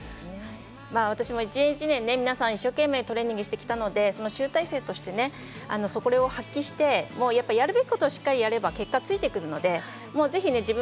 まあ私も一年一年ね皆さん一生懸命トレーニングしてきたのでその集大成としてねそれを発揮してやっぱやるべきことをしっかりやれば結果ついてくるので是非ね